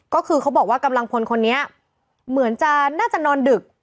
ก็คือเขาบอกว่ากำลังพลคนนี้เหมือนจะน่าจะนอนดึก